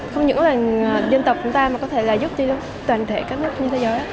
không những là dân tộc chúng ta mà có thể là giúp cho toàn thể các nước trên thế giới